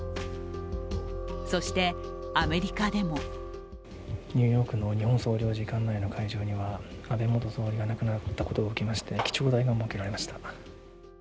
そして、アメリカでもニューヨークの日本総領事館内の会場には安倍元総理が亡くなったことを受けまして記帳台が設けられました。